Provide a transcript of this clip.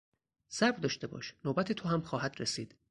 صبر داشته باش، نوبت تو هم خواهد رسید.